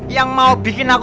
yang mau bikin aku